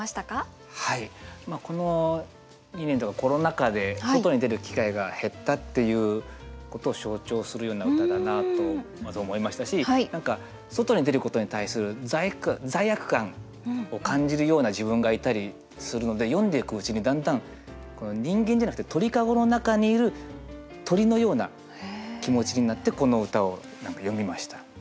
この２年とかコロナ禍で外に出る機会が減ったっていうことを象徴するような歌だなとまず思いましたし何か外に出ることに対する罪悪感を感じるような自分がいたりするので読んでいくうちにだんだん人間じゃなくて鳥籠の中にいる鳥のような気持ちになってこの歌を読みました。